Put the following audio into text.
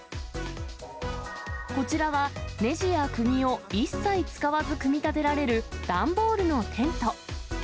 こちらは、ねじやくぎを一切使わず組み立てられる段ボールのテント。